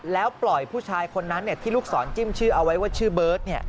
แล้วปล่อยผู้ชายคนนั้นที่ลูกศรจิ้มชื่อเอาไว้ว่าชื่อเบิร์ต